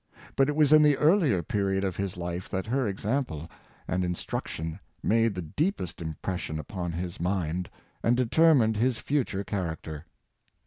But it was in the earlier period of his life that her example and instruction made the deepest impression upon his mind, and determined his future character.